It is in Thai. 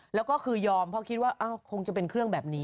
แล้วก็คือยอมเพราะคิดว่าคงจะเป็นเครื่องแบบนี้